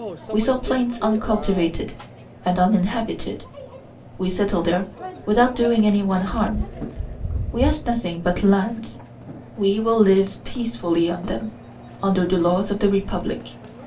We saw plains uncultivated and uninhabited. We settled there without doing any one harm. ... We ask nothing but lands. We will live peacefully on them under the laws of the republic."